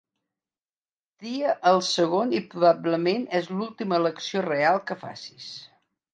Tria el segon, i probablement és l'última elecció real que facis.